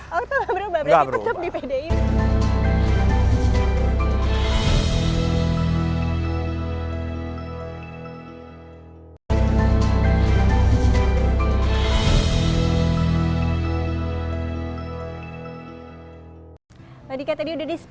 oh itu gak berubah berarti tetap di pdip